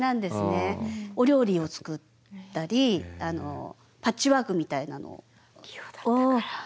お料理を作ったりパッチワークみたいなのを。